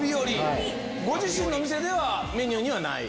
ご自身の店ではメニューにない？